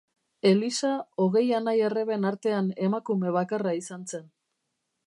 Elisa hogei anai-arreben artean emakume bakarra izan zen.